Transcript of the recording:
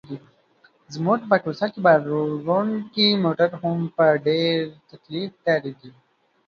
زموږ په کوڅه کې باروړونکي موټر هم په ډېر تکلیف تېرېږي.